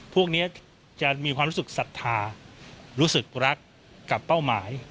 พวกนี้จะมีความรู้สึกศรัทธารู้สึกรักกับเป้าหมาย